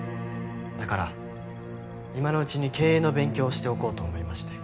だから今のうちに経営の勉強をしておこうと思いまして。